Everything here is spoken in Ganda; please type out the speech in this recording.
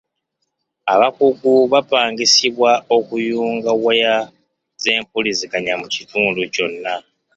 Abakugu bapangisibwa okuyunga waya z'empuliziganya mu kitundu kyonna.